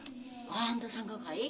あんたさんがかい？